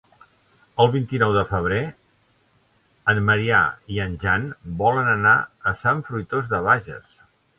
El vint-i-nou de febrer en Maria i en Jan volen anar a Sant Fruitós de Bages.